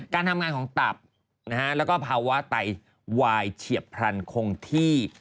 การทำงานของตับนะฮะแล้วก็ภาวะไตวายเฉียบพลันคงที่